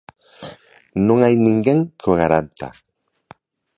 Non hai ninguén que o garanta.